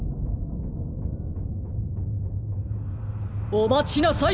おまちなさい！